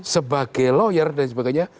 sebagai lawyer dan sebagainya